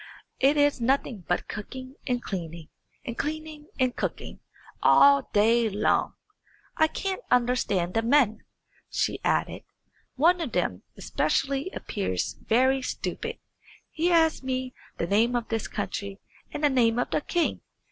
It is nothing but cooking and cleaning, and cleaning and cooking, all day long. I can't understand the men," she added; "one of them especially appears very stupid. He asked me the name of this country and the name of the king.